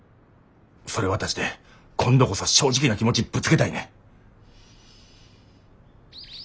それ渡して今度こそ正直な気持ちぶつけたいねん。